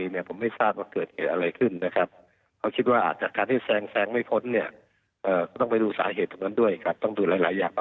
ในหลายอย่างประกอบกันครับ